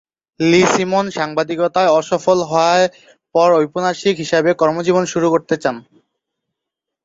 লি Simon সাংবাদিকতায় অসফল হওয়ার পর ঔপন্যাসিক হিসেবে কর্মজীবন শুরু করতে চান।